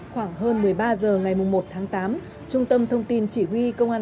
khoảng hơn một mươi ba h ngày một tháng tám trung tâm thông tin chỉ huy công an